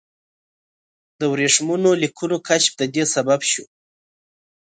د ورېښمینو لیکونو کشف د دې سبب شو.